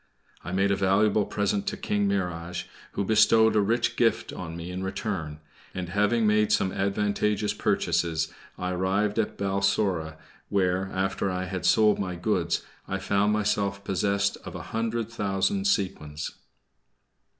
I made a valuable present to King Mihrage, who bestowed a rich gift on me in return; and, having made some advantageous purchases, I arrived at Balsora, where, after I had sold my goods, I found myself possessed of a hundred thousand sequins.